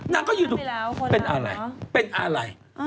นางก็อยู่ดูเป็นอะไร